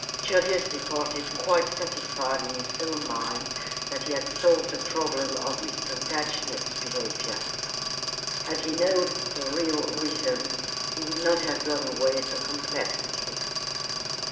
Julius departed quite satisfied in his own mind that he had solved the problem of Miss Plantagenet's behavior. Had he known the real reason he would not have gone away so complacently.